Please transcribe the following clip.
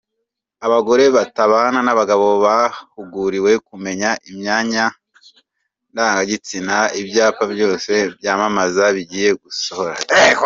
Abagore batabana n’abagabo bahuguriwe kumenya imyanya ndangagitsina Ibyapa byose byamamaza bigiye gusora